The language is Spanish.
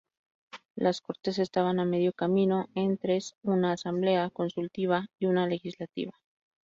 Las Cortes estaban a medio camino entres una asamblea consultiva y una legislativa.